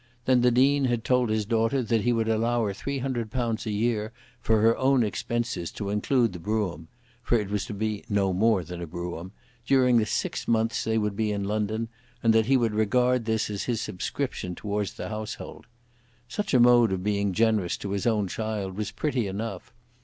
Then the Dean had told his daughter that he would allow her £300 a year for her own expenses, to include the brougham, for it was to be no more than a brougham, during the six months they would be in London, and that he would regard this as his subscription towards the household. Such a mode of being generous to his own child was pretty enough.